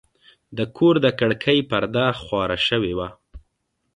د کور د کړکۍ پرده خواره شوې وه.